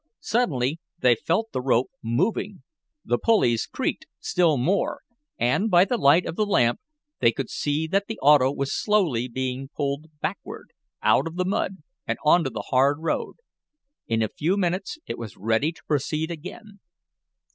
Suddenly they felt the rope moving. The pulleys creaked still more and, by the light of the lamp, they could see that the auto was slowly being pulled backward, out of the mud, and onto the hard road. In a few minutes it was ready to proceed again.